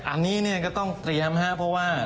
อันนี้เนี่ยก็ต้องเตรียมครับเพราะว่า